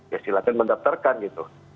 ya silakan mendaftarkan gitu